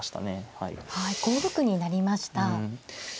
はい５六に成りました。